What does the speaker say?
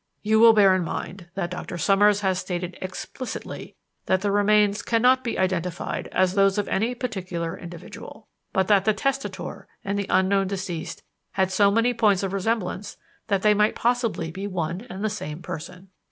You will bear in mind that Doctor Summers has stated explicitly that the remains cannot be identified as those of any particular individual, but that the testator and the unknown deceased had so many points of resemblance that they might possibly be one and the same person.